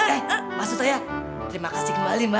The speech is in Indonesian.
eh maksud saya terima kasih kembali mbak